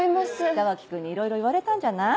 北脇君にいろいろ言われたんじゃない？